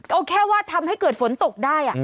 เอาแค่ว่าทำให้เกิดฝนตกได้